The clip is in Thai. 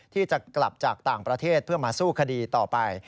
ที่จะกลับจากต่างประเทศเพื่อมาสู้คดีต่อไป